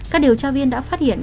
các điều tra viên đã phát hiện